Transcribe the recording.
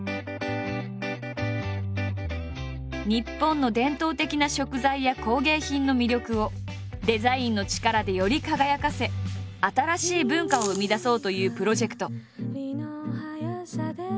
日本の伝統的な食材や工芸品の魅力をデザインの力でより輝かせ新しい文化を生み出そうというプロジェクト。